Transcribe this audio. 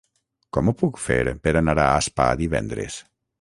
Com ho puc fer per anar a Aspa divendres?